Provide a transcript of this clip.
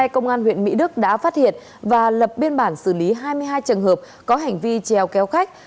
công an huyện mỹ đức đã phát hiện và lập biên bản xử lý hai mươi hai trường hợp có hành vi treo kéo khách